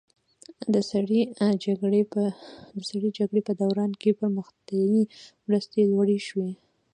د سړې جګړې په دوران کې پرمختیایي مرستې لوړې شوې.